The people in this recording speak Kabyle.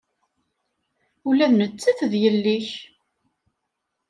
Ula d nettat d yelli-k.